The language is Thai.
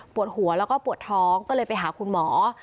หัวแล้วก็ปวดท้องก็เลยไปหาคุณหมอ